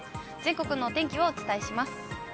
全国のお天気をお伝えします。